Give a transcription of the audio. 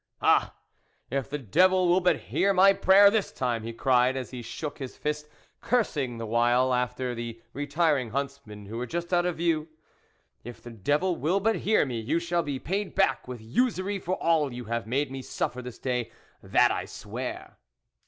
" Ah ! if the devil will but hear my prayer this time," he cried, as he shook his fist, cursing the while, after the retir ing huntsmen, who were just out of view, " if the devil will but hear me, you shall be paid back with usury for all you have made me suffer this day, that I swear."